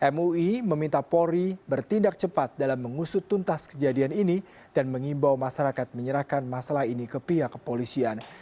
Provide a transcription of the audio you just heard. mui meminta polri bertindak cepat dalam mengusut tuntas kejadian ini dan mengimbau masyarakat menyerahkan masalah ini ke pihak kepolisian